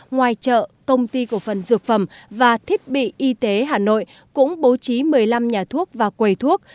ngoài chợ công ty cổ phần dược phẩm và thiết bị y tế hà nội cũng bố trí một mươi năm nhà thuốc và quầy thuốc